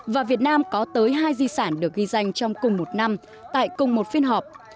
và việt nam có tới hai di sản được ghi danh trong cùng một năm tại cùng một phiên họp